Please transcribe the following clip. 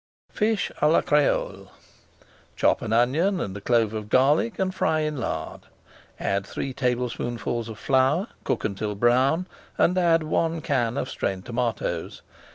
FISH À LA CRÈOLE Chop an onion and a clove of garlic and fry in lard. Add three tablespoonfuls of flour, cook until brown, and add one can of strained tomatoes.